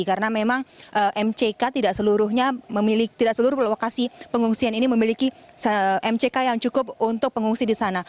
karena memang mck tidak seluruhnya memiliki tidak seluruh lokasi pengungsian ini memiliki mck yang cukup untuk pengungsi di sana